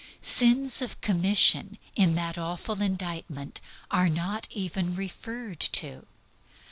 Sins of commission in that awful indictment are not even referred to.